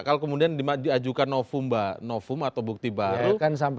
bakal kemudian diajukan novum atau bukti baru